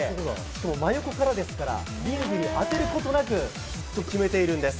しかも真横からですから、リングに当てることなくずっと決めているんです。